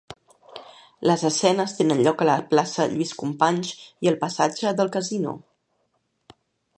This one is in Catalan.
Les escenes tenen lloc a la plaça Lluís Companys i el Passatge del Casino.